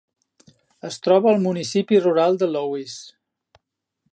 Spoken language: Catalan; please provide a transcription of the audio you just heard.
Es troba al municipi rural de Louise.